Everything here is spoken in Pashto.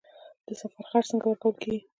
د سفر خرڅ څنګه ورکول کیږي؟